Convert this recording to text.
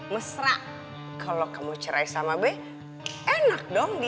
mesra kalau kamu cerai sama boy enak dong dia